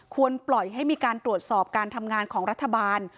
ควรปล่อยให้มีการตรวจสอบการทำงานของรัฐบาล